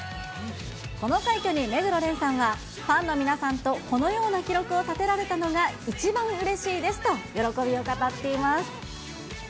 この快挙に目黒蓮さんは、ファンの皆さんとこのような記録を立てられたのが一番うれしいですと、喜びを語っています。